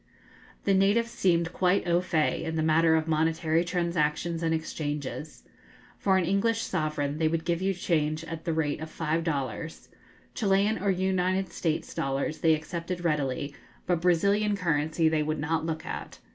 The natives seemed quite au fait in the matter of monetary transactions and exchanges. For an English sovereign they would give you change at the rate of five dollars. Chilian or United States' dollars they accepted readily, but Brazilian currency they would not look at.